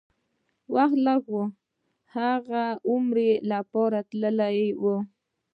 وخت لږ و، هغه عمرې لپاره تللی و.